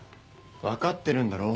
分かってるんだろ？